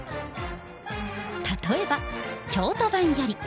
例えば、京都版より。